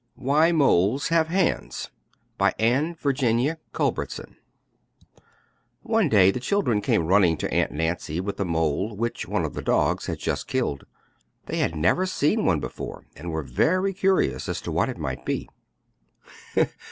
WHY MOLES HAVE HANDS BY ANNE VIRGINIA CULBERTSON One day the children came running to Aunt Nancy with a mole which one of the dogs had just killed. They had never seen one before and were very curious as to what it might be.